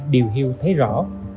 điều hiêu thấy rõ